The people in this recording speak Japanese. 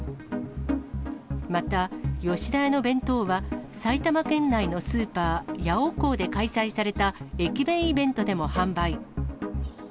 また、吉田屋の弁当は埼玉県内のスーパー、ヤオコーで開催された駅弁イベントでも販売。